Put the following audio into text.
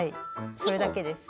それだけです。